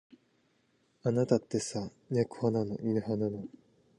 あなたってさ、猫派なの。犬派なの。